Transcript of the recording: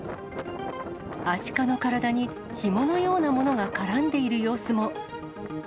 アシカの体にひものようなものが絡んでいる様子も。